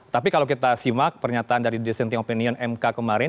tapi kalau kita simak pernyataan dari dissenting opinion mk kemarin